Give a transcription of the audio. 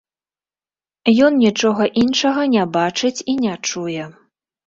Ён нічога іншага не бачыць і не чуе.